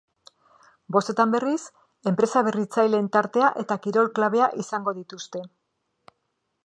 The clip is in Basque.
Bostetan, berriz, enpresa berritzaileen tartea eta kirol klabea izango dituzte.